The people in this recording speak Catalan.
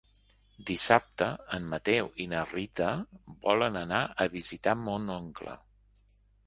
Dissabte en Mateu i na Rita volen anar a visitar mon oncle.